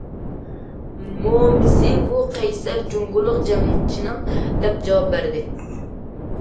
مومىسى:‹‹ بۇ قەيسەر جۇڭگولۇق جەڭچىنىڭ››، دەپ جاۋاب بەردى.